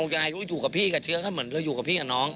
ยายก็อยู่กับพี่กับเชื้อก็เหมือนเราอยู่กับพี่กับน้อง